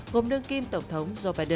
gồm đương kim tổng thống joe biden